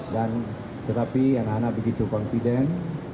dan tetapi anak anak begitu kompiden